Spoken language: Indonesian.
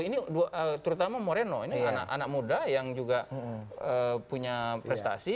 ini terutama moreno ini anak anak muda yang juga punya prestasi